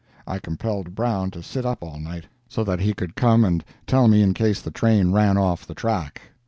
I compelled Brown to sit up all night, so that he could come and tell me in case the train ran off the track.